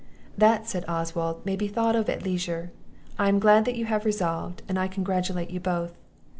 "That," said Oswald, "may be thought of at leisure; I am glad that you have resolved, and I congratulate you both."